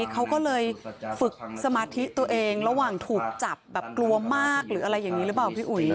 เขาก็เลยฝึกสมาธิตัวเองระหว่างถูกจับแบบกลัวมากหรืออะไรอย่างนี้หรือเปล่าพี่อุ๋ย